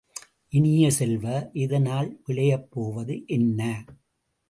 இனிய செல்வ, இதனால் விளையப் போவது என்ன?